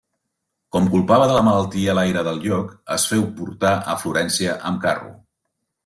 Com culpava de la malaltia l'aire del lloc, es féu portar a Florència amb carro.